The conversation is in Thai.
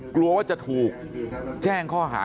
กลัวว่าจะถูกแจ้งข้อหา